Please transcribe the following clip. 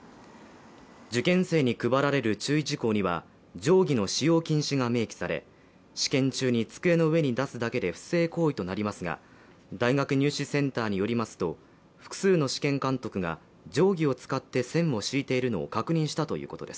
受験生に配られる注意事項には定規の使用禁止が明記され、試験中に机に出すだけで不正行為となりますが大学入試センターによりますと複数の試験監督が定規を使って線を引いているのを確認したということです。